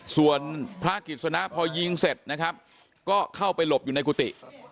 ส่วนพระกิจสนะพอยิงเสร็จนะครับก็เข้าไปหลบอยู่ในกุฏิ